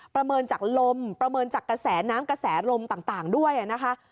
ประเมินจากลมประเมินจากกระแสน้ำกระแสลมต่างด้วยนะคะ